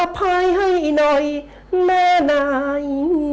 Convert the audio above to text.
อภัยให้หน่อยแม่นาย